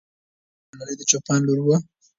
آیا ملالۍ د چوپان لور وه؟